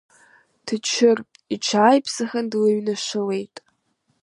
Тыҷыр иҽааиԥсахын, длыҩнашылеит.